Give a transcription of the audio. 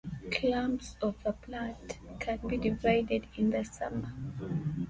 Clumps of the plant can be divided in the summer.